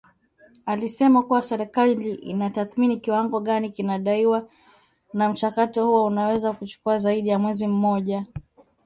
Alisema kuwa serikali inatathmini kiwango gani kinadaiwa na mchakato huo unaweza kuchukua zaidi ya mwezi mmoja